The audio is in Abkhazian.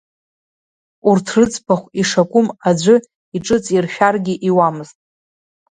Урҭ рыӡбахә ишакәым аӡәы иҿыҵиршәаргьы иуамызт.